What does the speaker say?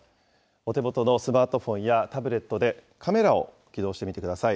お手元のスマートフォンやタブレットでカメラを起動してみてください。